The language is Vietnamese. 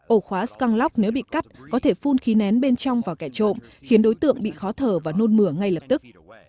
ổ khóa scanlock nếu bị cắt có thể phun khí nén bên trong vào kẻ trộm khiến đối tượng bị khó thở và nôn mửa ngay lập tức